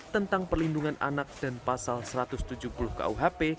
tentang perlindungan anak dan pasal satu ratus tujuh puluh kuhp